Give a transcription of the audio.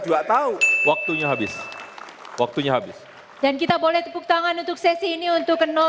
juga tahu waktunya habis waktunya habis dan kita boleh tepuk tangan untuk sesi ini untuk